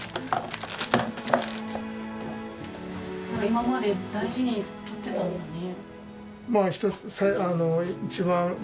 今まで大事にとってたんだね。